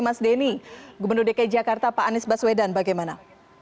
mas denny gubernur dki jakarta pak anies baswedan bagaimana